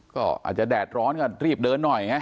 ก็อาจจะแดดร้อนก็รีบเดินหน่อยไง